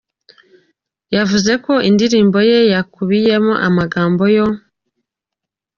Yavuze ko indirimbo ye yakubiyemo amagambo yo